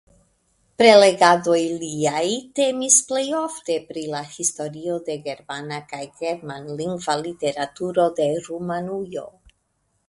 Prelegadoj liaj temis plejofte pri la historio de germana kaj germanlingva literaturo de Rumanujo.